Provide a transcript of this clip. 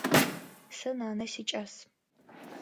Сэ нанэ сикӏас.